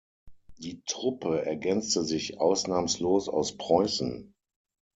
Die Truppe ergänzte sich ausnahmslos aus Preußen.